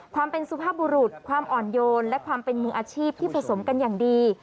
ความเป็นสุภาพบุรุษความอ่อนโยนและความเป็นมืออาชีพที่ผสมกันอย่างดี